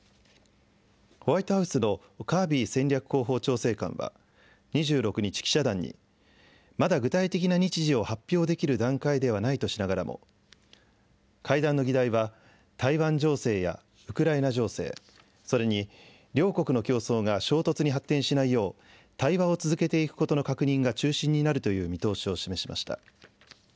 ホワイトハウスのカービー戦略広報調整官は、２６日、記者団に、まだ具体的な日時を発表できる段階ではないとしながらも、会談の議題は台湾情勢やウクライナ情勢、それに両国の競争が衝突に発展しないよう、対話を続けていくことの確認が中心になるという見通しを示しました。